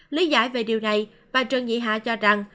lý giải về điều này bà trần nhị hạ cho rằng